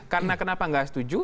karena kenapa gak setuju